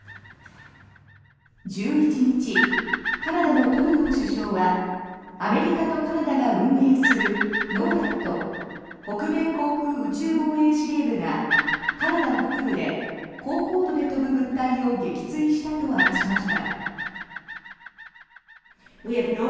１１日カナダのトルドー首相はアメリカとカナダが運営するＮＯＲＡＤ・北米航空宇宙防衛司令部がカナダ北部で高高度で飛ぶ物体を撃墜したと明かしました。